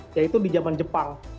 yaitu di zaman jepang